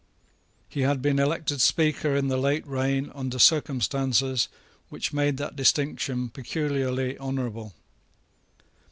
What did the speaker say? He had been elected speaker in the late reign under circumstances which made that distinction peculiarly honourable.